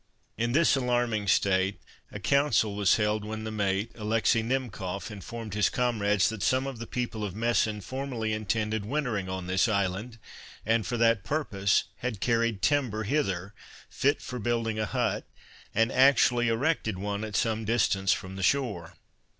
In this alarming state, a council was held when the mate, Alexis Himkof, informed his comrades that some of the people of Mesen formerly intended wintering on this island, and for that purpose had carried timber hither, fit for building a hut, and actually erected one at some distance from the shore.